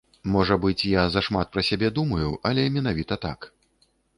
Можа быць, я зашмат пра сябе думаю, але менавіта так.